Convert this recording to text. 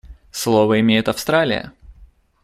Слово имеет Австралия.